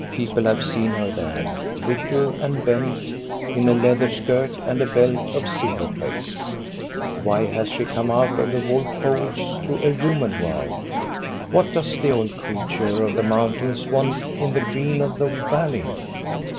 People have seen her there, little and bent, in a leather skirt and a belt of silver plates. Why has she come out of the wolf holes to a human world? What does the old creature of the mountains want in the green of the valley?